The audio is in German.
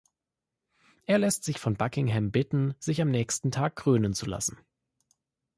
Er lässt sich von Buckingham bitten, sich am nächsten Tag krönen zu lassen.